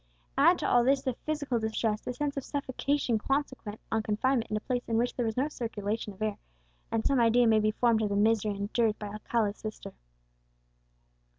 Add to all this the physical distress, the sense of suffocation consequent on confinement in a place in which there was no circulation of air, and some idea may be formed of the misery endured by Alcala's sister.